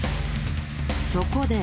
そこで。